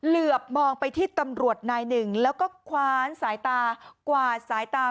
เหลือบมองไปที่ตำรวจนายหนึ่งแล้วก็คว้านสายตากวาดสายตา